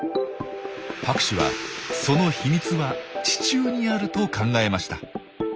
博士はその秘密は地中にあると考えました。